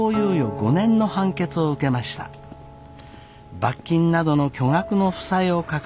罰金などの巨額の負債を抱えましたが。